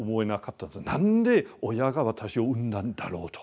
なんで親が私を生んだんだろうと。